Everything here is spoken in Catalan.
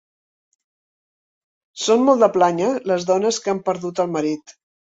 Són molt de plànyer les dones que han perdut el marit.